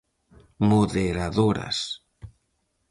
Moderadoras.